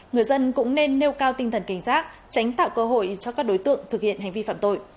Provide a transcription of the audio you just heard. người dân cũng nên nêu cao tinh thần cảnh giác tránh tạo cơ hội cho các đối tượng thực hiện hành vi phạm tội